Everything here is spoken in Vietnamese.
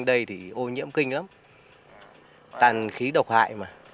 tàn khí độc hại mà